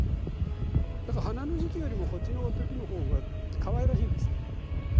だから花の時期よりもこっちのときのほうがかわいらしいんですね。